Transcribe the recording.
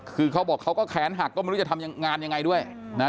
คือเขาบอกเขาก็แขนหักก็ไม่รู้จะทำงานยังไงด้วยนะ